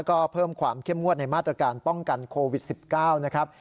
ก็เพิ่มความเข้มงวดในมาตรการป้องกันโควิด๑๙นะครับ